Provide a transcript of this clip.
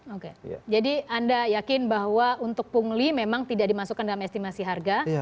oke jadi anda yakin bahwa untuk pungli memang tidak dimasukkan dalam estimasi harga